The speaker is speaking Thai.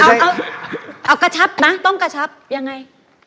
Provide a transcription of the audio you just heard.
เศษหี่เอากระชับนะต้องกระชับอย่างไร